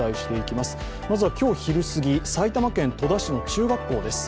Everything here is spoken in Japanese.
まずは、今日昼すぎ埼玉県戸田市の中学校です。